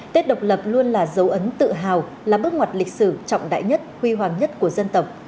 tết độc lập luôn là dấu ấn tự hào là bước ngoặt lịch sử trọng đại nhất huy hoàng nhất của dân tộc